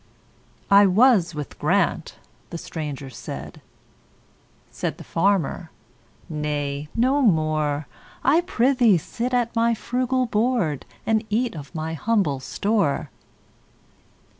"I was with Grant"—the stranger said; Said the farmer, "Nay, no more,—I prithee sit at my frugal board, And eat of my humble store.